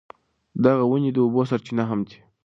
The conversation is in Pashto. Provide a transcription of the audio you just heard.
دغه ونې د اوبو سرچینه هم دي.